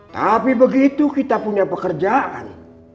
tapi begitu kita punya pekerjaan